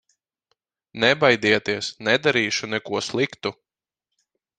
Nebaidieties, nedarīšu neko sliktu!